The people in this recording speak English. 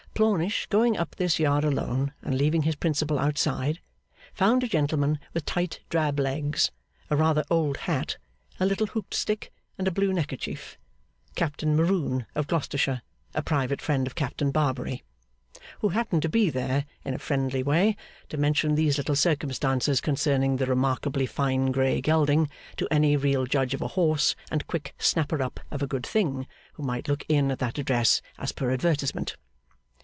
Plornish, going up this yard alone and leaving his Principal outside, found a gentleman with tight drab legs, a rather old hat, a little hooked stick, and a blue neckerchief (Captain Maroon of Gloucestershire, a private friend of Captain Barbary); who happened to be there, in a friendly way, to mention these little circumstances concerning the remarkably fine grey gelding to any real judge of a horse and quick snapper up of a good thing, who might look in at that address as per advertisement.